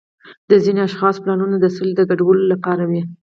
د ځینو اشخاصو پلانونه د سولې د ګډوډولو لپاره وي.